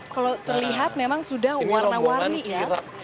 kalau terlihat memang sudah warna warni ya